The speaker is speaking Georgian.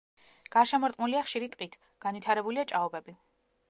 გარშემორტყმულია ხშირი ტყით, განვითარებულია ჭაობები.